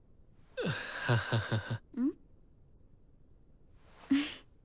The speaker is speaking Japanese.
ハハハハ。